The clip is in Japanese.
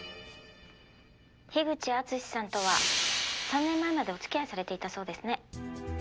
「口淳史さんとは３年前までお付き合いされていたそうですね」